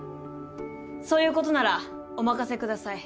そういう事ならお任せください。